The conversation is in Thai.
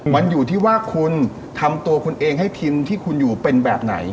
มันอยู่ที่ว่าคุณทำตัวคุณเองให้พิมพ์ที่คุณอยู่เป็นแบบไหน